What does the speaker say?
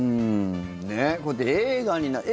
こうやって映画になって。